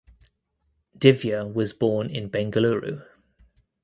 Divya was born in Bengaluru.